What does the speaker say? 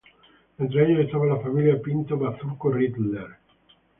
Entre ellos estaba la familia Pinto-Bazurco-Rittler.